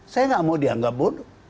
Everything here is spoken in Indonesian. saya nggak mau dianggap bodoh